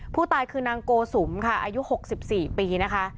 ผู้ตายคือนางโกสุมค่ะอายุหกสิบสี่ปีนะคะ